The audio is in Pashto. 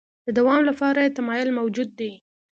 د دوام لپاره یې تمایل موجود دی.